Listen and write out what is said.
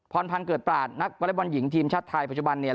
พรพันธ์เกิดปราศนักบริบันหญิงทีมชาติไทยประจบันเนี่ย